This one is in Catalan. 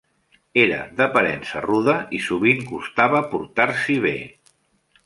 Era d'aparença ruda i sovint costava portar-s'hi bé.